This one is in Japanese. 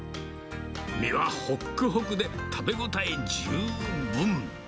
身はほっくほくで、食べ応え十分。